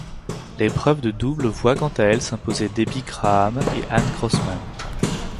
L'épreuve de double voit quant à elle s'imposer Debbie Graham et Ann Grossman.